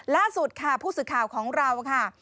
ล่าสุดค่ะผู้สื่อข่าวของเราค่ะ